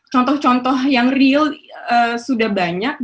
contoh contoh yang real sudah banyak